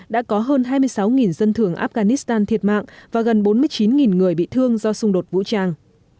dân thường afghanistan thiệt mạng và gần bốn mươi chín người bị thương do xung đột vũ trang